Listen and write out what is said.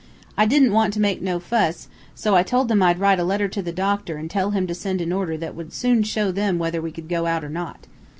I didn't want to make no fuss, so I told them I'd write a letter to the doctor and tell him to send an order that would soon show them whether we could go out or not.